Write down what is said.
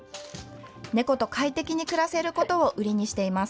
猫と快適に暮らせることを売りにしています。